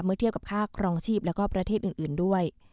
เทียบกับค่าครองชีพแล้วก็ประเทศอื่นด้วย